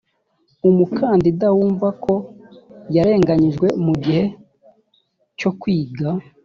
umukandida wumva ko yarenganyijwe mu gihe cyo kwiga